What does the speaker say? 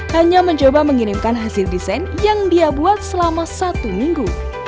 hanya mencoba mengirimkan hasil desain yang dia buat selama satu minggu